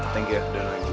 terima kasih sama sama